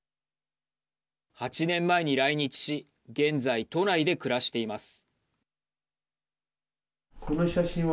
８年前に来日し現在、都内で暮らしています。